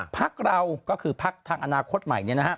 พักเราก็คือพักทางอนาคตใหม่